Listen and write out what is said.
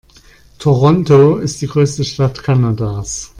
Toronto ist die größte Stadt Kanadas.